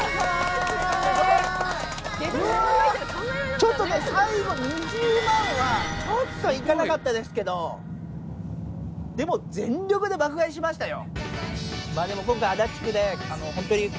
ちょっと最後２０万はちょっといかなかったですけどでも全力で爆買いしましたよ。